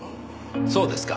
そうですか。